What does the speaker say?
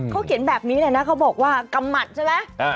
เขาเขียนแบบนี้เลยนะเขาบอกว่ากำหมัดใช่ไหม